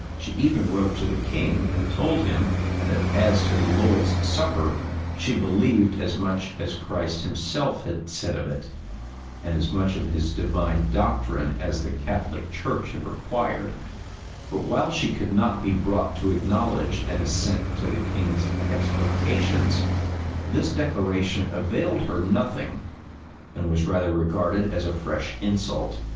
She even wrote to the king, and told him, that as to the Lord's supper, she believed as much as Christ himself had said of it, and as much of his divine doctrine as the Catholic church had required: but while she could not be brought to acknowledge an assent to the king's explications, this declaration availed her nothing, and was rather regarded as a fresh insult.